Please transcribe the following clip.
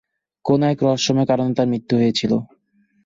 কোনো এক রহস্যময় কারণে তার মৃত্যু হয়েছিল।